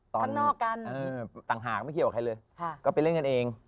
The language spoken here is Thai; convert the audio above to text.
ตอนต่างหากไม่เครียดกับใครเลยก็ไปเล่นกันเอง